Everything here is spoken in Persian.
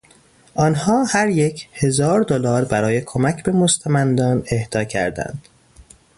آنها هریک هزار دلار برای کمک به مستمندان اهدا کردند.